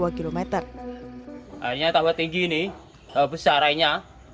akhirnya tambah tinggi ini besarannya